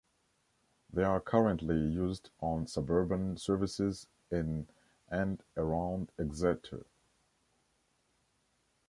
They are currently used on suburban services in and around Exeter.